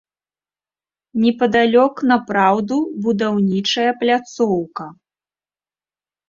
Непадалёк напраўду будаўнічая пляцоўка.